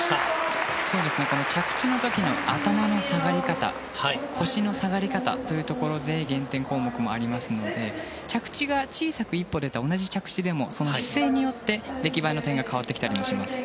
着地の時の頭の下がり方腰の下がり方というところで減点項目もありますので着地が、小さく１歩と大きく出た１歩でもその姿勢によって出来栄えの点が変わってきたりもします。